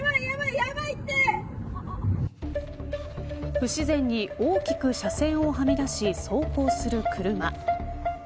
不自然に大きく車線をはみ出し走行する車。